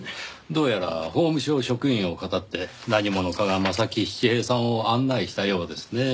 どうやら法務省職員を騙って何者かが柾七平さんを案内したようですねぇ。